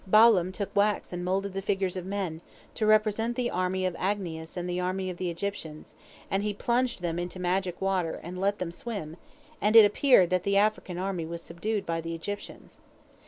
Balaam took wax and moulded the figures of men, to represent the army of Agnias and the army of the Egyptians, and he plunged them into magic water and let them swim, and it appeared that the African army was subdued by the Egyptians.